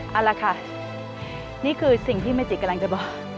เอาละค่ะนี่คือสิ่งที่เมจิกำลังจะบอก